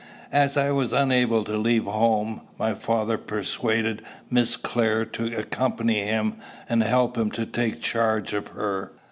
As I was unable to leave home, my father persuaded Miss Clare to accompany him and help him to take charge of her.